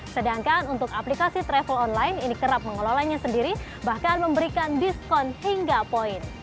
sedangkan untuk aplikasi travel online ini kerap mengelolanya sendiri bahkan memberikan diskon hingga poin